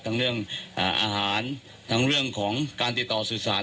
ทั้งเรื่องอาหารทั้งเรื่องของการติดต่อสื่อสาร